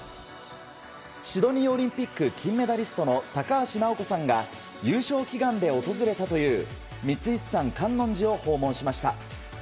シドニーオリンピック金メダリストの高橋尚子さんが優勝祈願で訪れたという三石山観音寺を訪問しました。